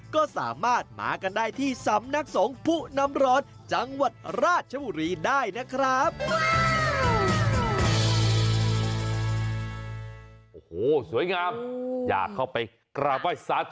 ก็สามารถมากันได้ที่สำนักสงฆ์ผู้น้ำร้อนจังหวัดราชบุรีได้นะครับ